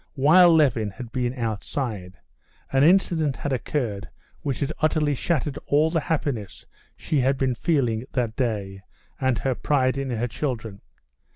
While Levin had been outside, an incident had occurred which had utterly shattered all the happiness she had been feeling that day, and her pride in her children.